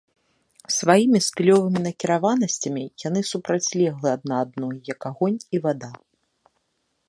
Сваімі стылёвымі накіраванасцямі яны супрацьлеглы адна адной, як агонь і вада.